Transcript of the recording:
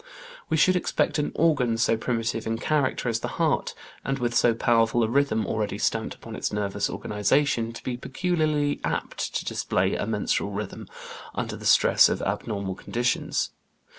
We should expect an organ so primitive in character as the heart, and with so powerful a rhythm already stamped upon its nervous organization, to be peculiarly apt to display a menstrual rhythm under the stress of abnormal conditions.